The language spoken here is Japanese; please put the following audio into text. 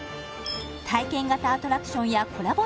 体験型アトラクションやコラボ